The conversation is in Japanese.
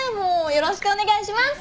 よろしくお願いします。